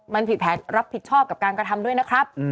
มันผิดแผนรับผิดชอบกับการกระทำด้วยนะครับ